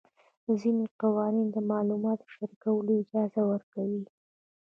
ځینې قوانین د معلوماتو شریکولو اجازه ورکوي.